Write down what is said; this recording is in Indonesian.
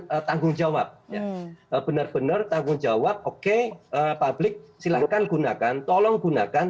ada tanggung jawab ya benar benar tanggung jawab oke publik silahkan gunakan tolong gunakan